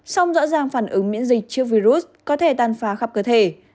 song rõ ràng phản ứng miễn dịch trước virus có thể tàn phá khắp cơ thể